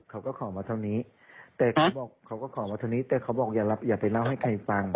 เขาก็ขอมาเท่านี้แต่เขาบอกอย่าไปเล่าให้ใครฟัง